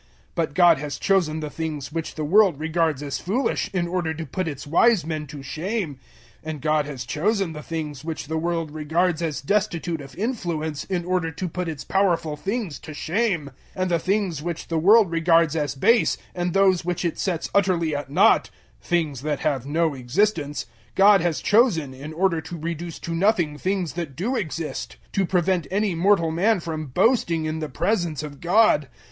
001:027 But God has chosen the things which the world regards as foolish, in order to put its wise men to shame; and God has chosen the things which the world regards as destitute of influence, in order to put its powerful things to shame; 001:028 and the things which the world regards as base, and those which it sets utterly at nought things that have no existence God has chosen in order to reduce to nothing things that do exist; 001:029 to prevent any mortal man from boasting in the presence of God.